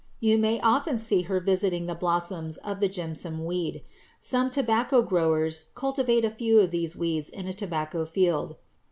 You may often see her visiting the blossoms of the Jimson weed. Some tobacco growers cultivate a few of these weeds in a tobacco field.